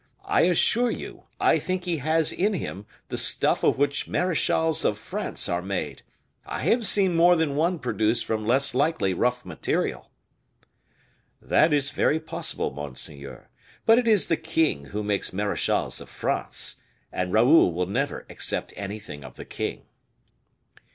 I assure you, I think he has in him the stuff of which marechals of France are made; I have seen more than one produced from less likely rough material." "That is very possible, monseigneur; but it is the king who makes marechals of France, and Raoul will never accept anything of the king."